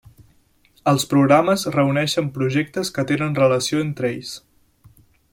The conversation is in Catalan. Els programes reuneixen projectes que tenen relació entre ells.